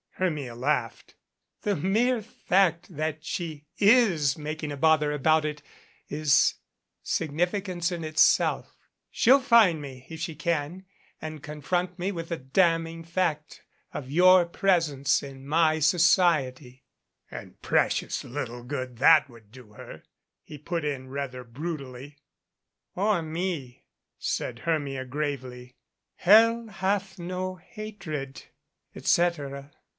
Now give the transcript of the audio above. Hermia laughed. "The mere fact that she is making a bother about it is significance itself. She'll find me if 218 THE EMPTY HOUSE she can and confront me with the damning fact of your presence in my society." "And precious little good that would do her," he put in rather brutally. "Or me," said Hermia gravely. "Hell hath no hatred et cetera.